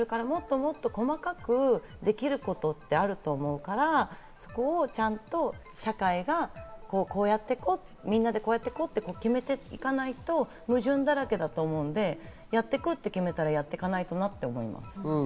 もっと細かくできることってあると思うから、そこをちゃんと社会はこうやって行こう、みんなでこうやっていこうってやっていかないと矛盾だらけだと思うので、やって行こうと決めたら、やっていかないとなって思います。